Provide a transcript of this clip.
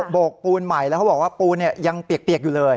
โกกปูนใหม่แล้วเขาบอกว่าปูนยังเปียกอยู่เลย